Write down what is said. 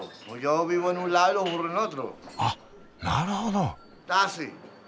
あっなるほど。